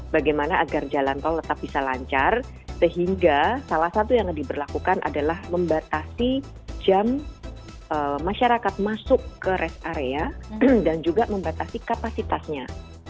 bagaimana agar jalan tol tetap bisa lancar sehingga salah satu yang diberlakukan adalah membatasi jam masyarakat masuk ke rest area dan juga membatasi kapasitasnya